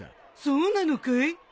そうなのかい？